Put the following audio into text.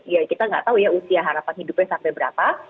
ya kita nggak tahu ya usia harapan hidupnya sampai berapa